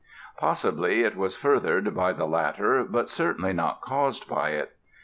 Possibly it was furthered by the latter but certainly not caused by it.